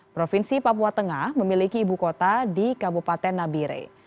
provinsi papua tengah memiliki ibu kota di kabupaten nabire